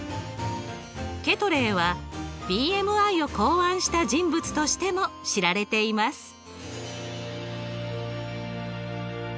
ケトレーはＢＭＩを考案した人物としても知られています。